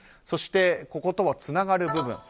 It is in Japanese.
そして、こことつながる部分。